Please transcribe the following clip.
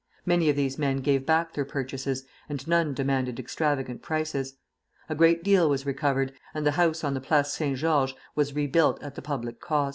Many of these men gave back their purchases, and none demanded extravagant prices. A great deal was recovered, and the house on the Place Saint Georges was rebuilt at the public cost.